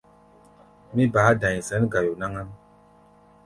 Mí baá da̧i̧ sɛ̌n gayo náŋ-ám.